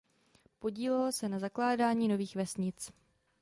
Podílela se na zakládání nových vesnic.